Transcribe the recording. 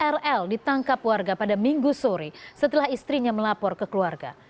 rl ditangkap warga pada minggu sore setelah istrinya melapor ke keluarga